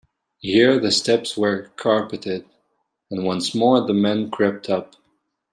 Here the steps were carpeted, and once more the men crept up.